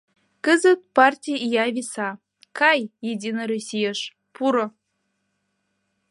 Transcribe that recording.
Кызыт партий ия виса — кай, «Единый Российыш» пуро!